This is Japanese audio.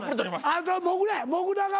あともぐらや。